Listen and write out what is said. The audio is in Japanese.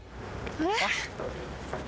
あれ？